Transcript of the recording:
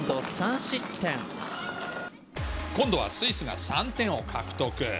今度はスイスが３点を獲得。